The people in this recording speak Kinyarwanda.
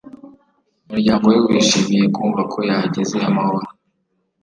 Umuryango we wishimiye kumva ko yahageze amahoro